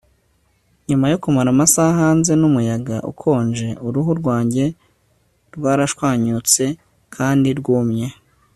Nyuma yo kumara amasaha hanze mumuyaga ukonje uruhu rwanjye rwarashwanyutse kandi rwumye